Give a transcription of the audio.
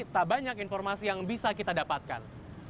tak banyak informasi yang bisa kita dapatkan